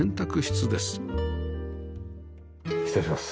失礼します。